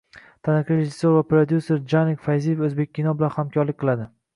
Taniqli rejissyor va prodyuser Djanik Fayziyev “Oʻzbekkino” bilan hamkorlik qiladi